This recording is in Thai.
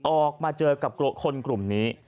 ออกมาเจอกับคนกลุ่มนี้